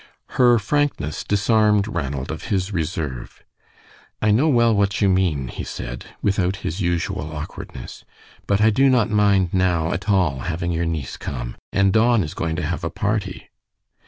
Her frankness disarmed Ranald of his reserve. "I know well what you mean," he said, without his usual awkwardness, "but I do not mind now at all having your niece come; and Don is going to have a party."